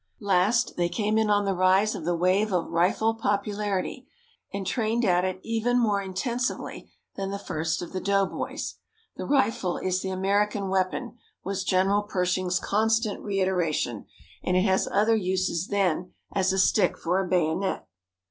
Last, they came in on the rise of the wave of rifle popularity, and trained at it even more intensively than the first of the doughboys. "The rifle is the American weapon," was General Pershing's constant reiteration, "and it has other uses than as a stick for a bayonet."